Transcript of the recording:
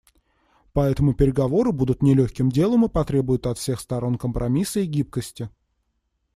Поэтому переговоры будут нелегким делом и потребуют от всех сторон компромисса и гибкости.